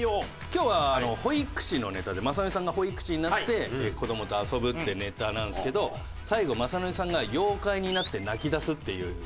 今日はあの保育士のネタで雅紀さんが保育士になって子どもと遊ぶってネタなんですけど最後雅紀さんが妖怪になって泣き出すっていう。